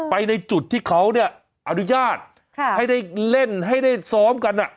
ในจุดที่เขาเนี่ยอนุญาตให้ได้เล่นให้ได้ซ้อมกัน